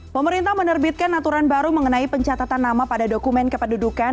pemerintah menerbitkan aturan baru mengenai pencatatan nama pada dokumen kependudukan